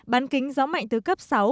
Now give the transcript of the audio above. bắn kính gió mạnh từ cấp sáu